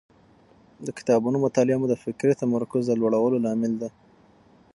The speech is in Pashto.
د کتابونو مطالعه مو د فکري تمرکز د لوړولو لامل دی.